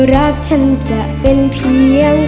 รักฉันจะเป็นเพียง